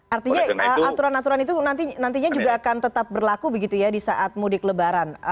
artinya aturan aturan itu nantinya juga akan tetap berlaku begitu ya di saat mudik lebaran